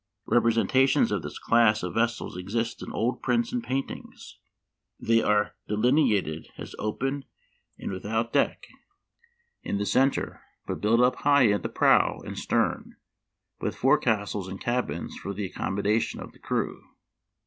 Representations of this class of vessels exist in old prints and paintings. They are delineated as open and without deck in the 160 Memoir of Washington Irving. center, but built up high at the prow and stern, with forecastles and cabins for the accommoda tion of the crew.